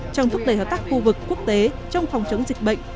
trong thúc đẩy hợp tác khu vực quốc tế trong phòng chống dịch bệnh